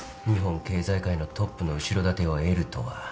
日本経済界のトップの後ろ盾を得るとは。